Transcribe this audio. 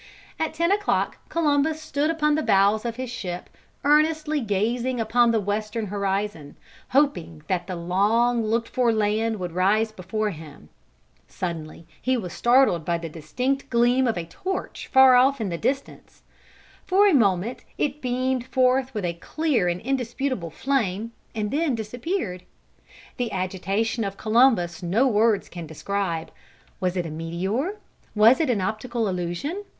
At ten o'clock Columbus stood upon the bows of his ship earnestly gazing upon the western horizon, hoping that the long looked for land would rise before him. Suddenly he was startled by the distinct gleam of a torch far off in the distance. For a moment it beamed forth with a clear and indisputable flame and then disappeared. The agitation of Columbus no words can describe. Was it a meteor? Was it an optical illusion?